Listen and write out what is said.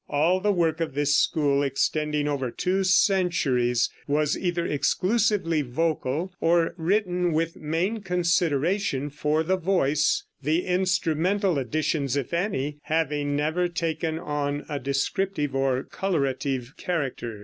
All the work of this school, extending over two centuries, was either exclusively vocal, or written with main consideration for the voice, the instrumental additions, if any, having never taken on a descriptive or colorative character.